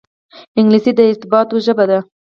انګلیسي د ارتباطاتو ژبه ده